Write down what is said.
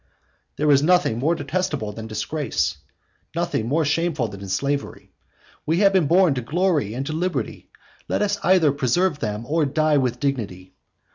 There is nothing more detestable than disgrace; nothing more shameful than slavery. We have been born to glory and to liberty; let us either preserve them or die with dignity.